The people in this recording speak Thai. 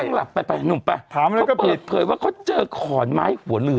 นั่งหลับไปหนุ่มป่ะถามอะไรก็ปิดเผยว่าเขาเจอขอนไม้หัวเรือ